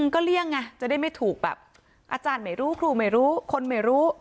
ก็เลี่ยงไงจะได้ไม่ถูกแบบอาจารย์ไม่รู้ครูไม่รู้คนไม่รู้